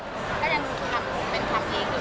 ก็จะทำเป็นคลับเองหรือเปล่า